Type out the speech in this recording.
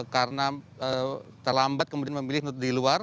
karena terlambat kemudian memilih di luar